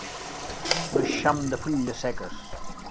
Un eixam de fulles seques.